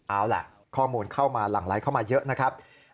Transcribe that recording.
เอาล่ะข้อมูลเข้ามาหลั่งไลค์เข้ามาเยอะนะครับ